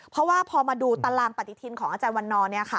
เพราะว่าพอมาดูตารางปฏิทินของอาจารย์วันนอร์